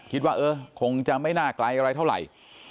คิดว่าเออคงจะไม่น่าไกลอะไรเท่าไหร่